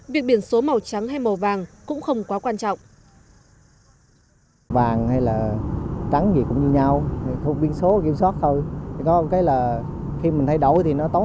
việc biển số màu trắng hay màu vàng cũng không quá quan trọng